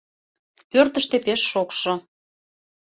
Пӧртыштӧ пеш шокшо.